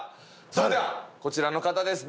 それではこちらの方です。